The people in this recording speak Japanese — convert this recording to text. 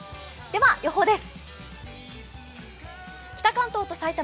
では、予報です。